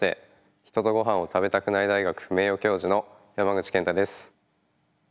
人とご飯を食べたくない大学名誉教授の山口健太です。